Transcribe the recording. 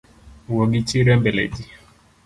Wuo gichir embele ji